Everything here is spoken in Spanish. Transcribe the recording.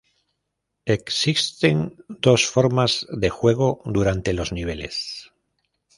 Existen dos formas de juego durante los niveles.